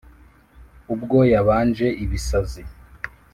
ubwo yabanje ibisazi,